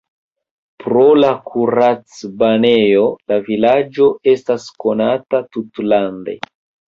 Pro la kuracbanejo la vilaĝo estas konata tutlande.